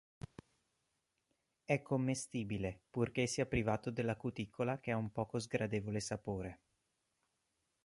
È commestibile purché sia privato della cuticola che ha un poco gradevole sapore.